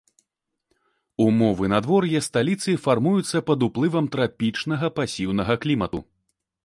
Умовы надвор'я сталіцы фармуюцца пад уплывам трапічнага пасіўнага клімату.